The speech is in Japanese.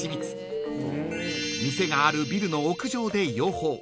［店があるビルの屋上で養蜂］